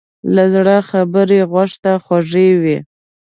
له زړه خبرې غوږ ته خوږې وي.